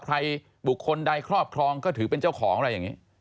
ใครบุคคลใดครอบครองก็ถือเป็นเจ้าของอะไรอย่างนี้